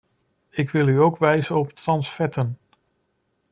Ik wil u ook wijzen op transvetten.